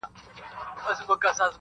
چي یې لاستی زما له ځان څخه جوړیږي.!